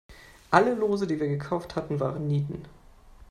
Alle Lose, die wir gekauft hatten, waren Nieten.